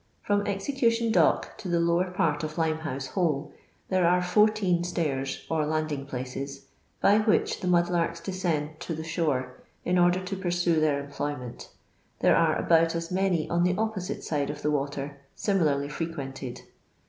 From Execution Dock to the lower part of Limehonie Hole, there are 14 itain or landing places, by which the mad larks descend to the shore in order to pursoe their employment There are about as many on the opposite side of the water similarly frequented.